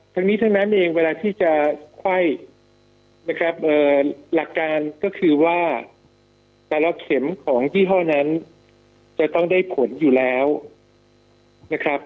แต่ละเข็มของยี่ห้อนั้นจะต้องได้ผลอยู่แล้วนะครับ